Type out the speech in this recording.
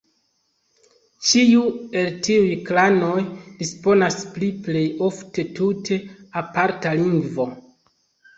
Ĉiu el tiuj klanoj disponas pri plej ofte tute aparta lingvo.